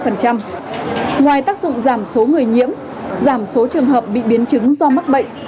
ngoài tác dụng giảm số người nhiễm giảm số trường hợp bị biến chứng do mắc bệnh